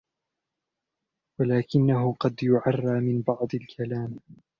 وَلَكِنَّهُ قَدْ يُعَرَّى مِنْ بَعْضِ الْكَلَامِ